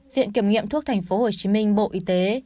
viện kiểm nghiệm thuốc thành phố hồ chí minh bộ y tế